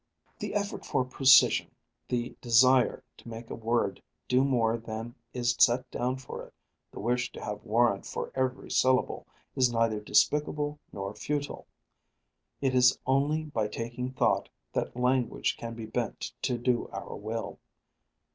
The effort for precision, the desire to make a word do no more than is set down for it, the wish to have warrant for every syllable, is neither despicable nor futile. It is only by taking thought that language can be bent to do our will.